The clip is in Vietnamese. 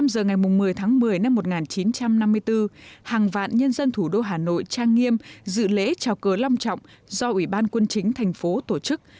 một mươi giờ ngày một mươi tháng một mươi năm một nghìn chín trăm năm mươi bốn hàng vạn nhân dân thủ đô hà nội trang nghiêm dự lễ trào cờ long trọng do ủy ban quân chính thành phố tổ chức